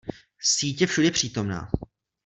Síť je všudypřítomná.